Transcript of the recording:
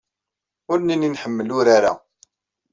Ur nelli nḥemmel urar-a.